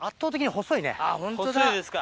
細いっすか？